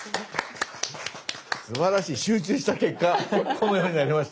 すばらしい集中した結果このようになりました。